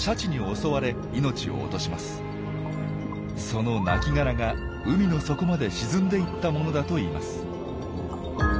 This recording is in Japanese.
そのなきがらが海の底まで沈んでいったものだといいます。